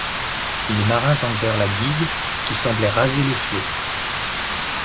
Les marins enlevèrent la guigue qui semblait raser les flots.